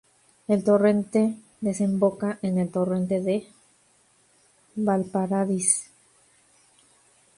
El torrente desemboca en el Torrente de Vallparadís.